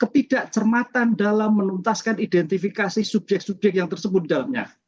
ketidakcermatan dalam menuntaskan identifikasi subjek subjek yang tersebut di dalamnya